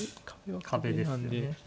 壁ですね。